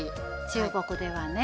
中国ではね